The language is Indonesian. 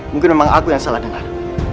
mungkin memang aku yang salah dengar